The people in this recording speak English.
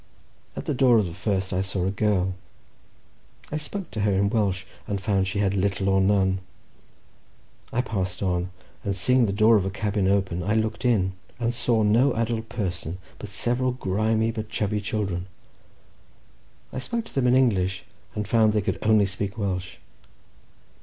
At the door of the first I saw a girl. I spoke to her in Welsh, and found she had little or none. I passed on, and seeing the door of a cabin open, I looked in—and saw no adult person, but several grimy but chubby children. I spoke to them in English, and found they could only speak Welsh.